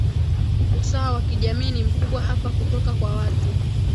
usawa wa kijamii ni mkubwa hapa kutoka kwa watu